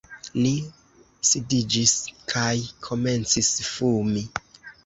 Ni sidiĝis kaj komencis fumi.